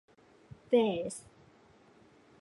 Theirs.